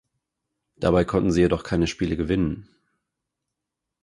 Dabei konnten sie jedoch keine Spiele gewinnen.